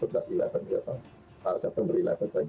tapi akhir akhir ini semua berjalan baik